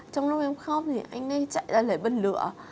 trong lúc em khóc thì anh ấy chạy ra lấy bân lựa